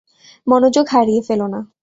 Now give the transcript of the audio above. মনোযোগ হারিয়ে ফেলো না।